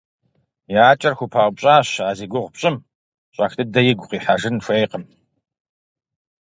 И акӀэр хупаупщӀащ а зи гугъу пщӀым, щӀэх дыдэ игу къихьэжын хуейкъым.